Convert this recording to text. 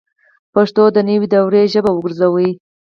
پښتو د نوي دور ژبه وګرځوئ